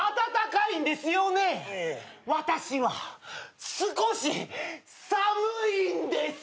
私は少し寒いんです！